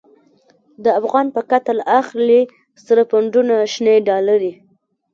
د افغان په قتل اخلی، سره پونډونه شنی ډالری